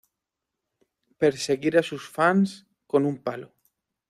perseguir a sus fans con un palo